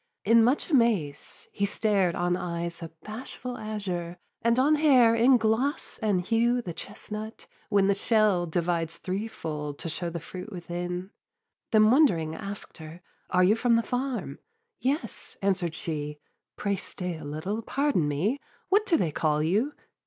In much amaze he stared On eyes a bashful azure, and on hair In gloss and hue the chestnut, when the shell Divides threefold to show the fruit within: Then, wondering, ask'd her 'Are you from the farm?' 'Yes' answer'd she. 'Pray stay a little: pardon me; What do they call you?'